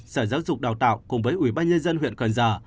sở giáo dục đào tạo cùng với ubnd huyện cần giờ